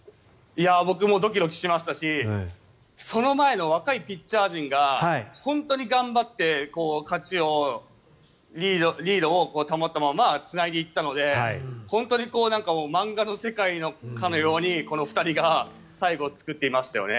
僕もドキドキしましたしその前の若いピッチャー陣が本当に頑張ってリードを保ったままつないでいったので本当に漫画の世界かのようにこの２人が最後、作っていましたよね。